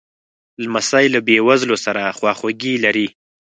لمسی له بېوزلو سره خواخوږي لري.